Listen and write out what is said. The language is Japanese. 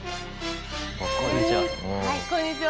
こんにちは。